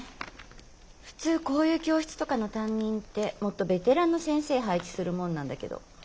普通こういう教室とかの担任ってもっとベテランの先生配置するもんなんだけど。え？